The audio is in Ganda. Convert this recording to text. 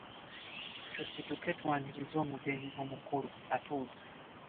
Tusituke twanirize omugenyi omukulu atuuse.